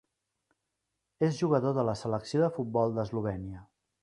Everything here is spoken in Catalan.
És jugador de la selecció de futbol d'Eslovènia.